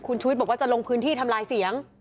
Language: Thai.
คุณชุวิตบอกว่าจะลงพื้นที่ทำลายเสียง